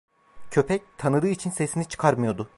Köpek, tanıdığı için sesini çıkarmıyordu.